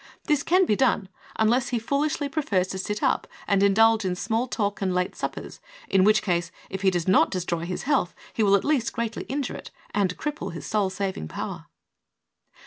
This can be done, unless he foolishly prefers to sit up and indulge in small talk and late suppers, in which case, if he does not destroy his health, he will at least greatly injure it and cripple his soul saving power.